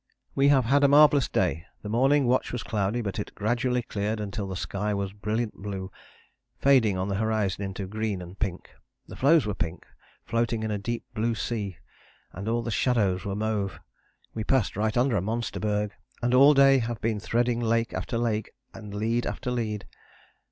"We have had a marvellous day. The morning watch was cloudy, but it gradually cleared until the sky was a brilliant blue, fading on the horizon into green and pink. The floes were pink, floating in a deep blue sea, and all the shadows were mauve. We passed right under a monster berg, and all day have been threading lake after lake and lead after lead.